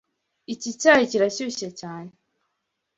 Iki cyayi kirashyushye cyane.